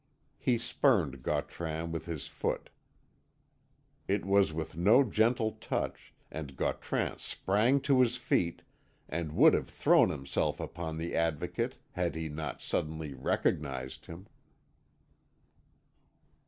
He spurned Gautran with his foot. It was with no gentle touch, and Gautran sprang to his feet, and would have thrown himself upon the Advocate had he not suddenly recognised him.